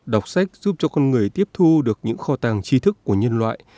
đọc sách giúp cho con người tiếp thu được những kho tàng chi thức của nhân loại